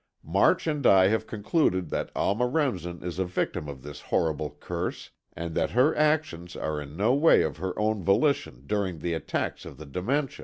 March and I have concluded that Alma Remsen is a victim of this horrible curse and that her actions are in no way of her own volition during the attacks of the dementia."